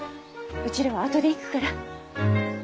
うちらは後で行くから。